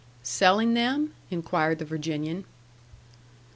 "Selling them?" inquired the Virginian.